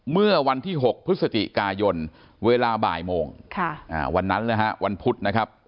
เมื่อวันที่๖พฤศจิกายนเวลาบ่ายโมงวันนั้นเลยฮะวันพุธนะครับ